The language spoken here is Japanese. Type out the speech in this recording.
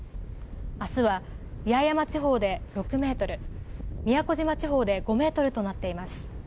あすは八重山地方で６メートル宮古島地方で５メートルとなっています。